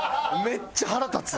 めっちゃ腹立つ。